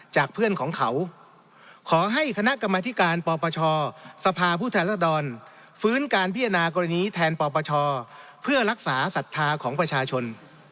เพื่อนของเขาขอให้คณะกรรมธิการปปชสภาผู้แทนรัศดรฟื้นการพิจารณากรณีแทนปปชเพื่อรักษาศรัทธาของประชาชน